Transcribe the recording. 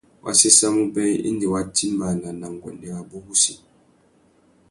Wa séssamú being indi wa timbāna nà nguêndê rabú wussi.